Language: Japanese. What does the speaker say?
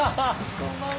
こんばんは。